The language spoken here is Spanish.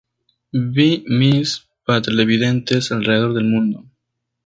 Be Miss para televidentes alrededor del mundo.